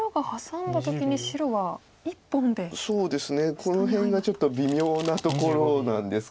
この辺がちょっと微妙なところなんですけれど。